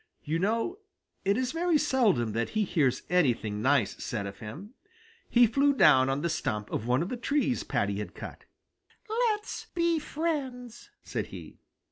You know it is very seldom that he hears anything nice said of him. He flew down on the stump of one of the trees Paddy had cut. "Let's be friends," said he.